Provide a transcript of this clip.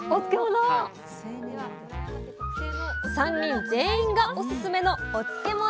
３人全員がオススメのお漬物。